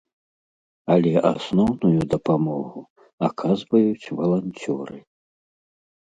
Але асноўную дапамогу аказваюць валанцёры.